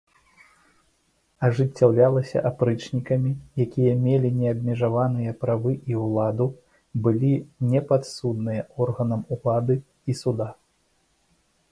Ажыццяўлялася апрычнікамі, якія мелі неабмежаваныя правы і ўладу, былі непадсудныя органам улады і суда.